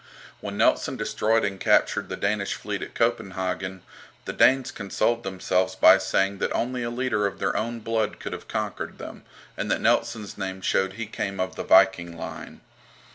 When Nelson destroyed and captured the Danish fleet at Copenhagen, the Danes consoled themselves by saying that only a leader of their own blood could have conquered them, and that Nelson's name showed he came of the Viking line.